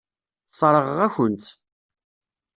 Sseṛɣeɣ-aken-tt.